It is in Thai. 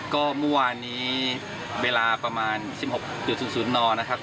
ก็วันนี้เวลาประมาณ๑๖๐๐นอะครับ